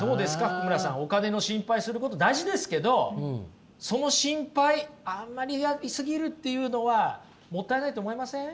福村さんお金の心配すること大事ですけどその心配あんまりやり過ぎるっていうのはもったいないと思いません？